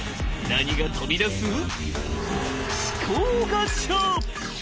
何が飛び出す？